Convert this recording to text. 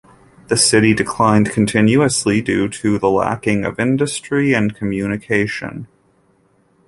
The city declined continuously, due to the lacking of industry and communication.